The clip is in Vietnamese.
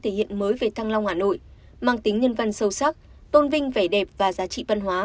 thể hiện mới về thăng long hà nội mang tính nhân văn sâu sắc tôn vinh vẻ đẹp và giá trị văn hóa